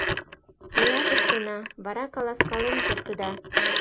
Меат ыштена, вара каласкален кертыда.